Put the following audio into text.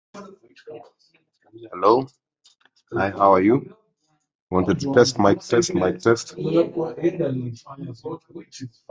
The Mulberry Fork rises in northeastern Cullman County, south of Arab.